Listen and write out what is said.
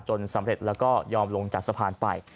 สำเร็จแล้วก็ยอมลงจากสะพานไป